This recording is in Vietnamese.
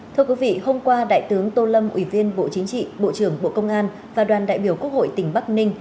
thưa quý vị hôm qua đại tướng tô lâm ủy viên bộ chính trị bộ trưởng bộ công an và đoàn đại biểu quốc hội tỉnh bắc ninh